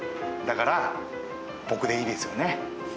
だから僕でいいですよね？